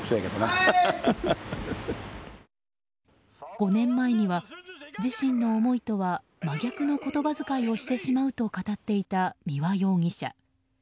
５年前には自身の思いとは真逆の言葉遣いをしてしまうと語っていた三輪容疑者。